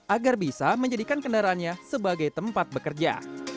agar bisa menjadikan kendaraannya sebagai tempat bekerja